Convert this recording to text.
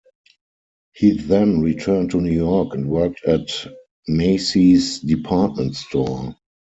He then returned to New York and worked at Macy's Department Store.